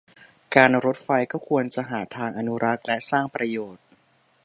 การรถไฟก็ควรจะหาทางอนุรักษ์ และ สร้างประโยชน์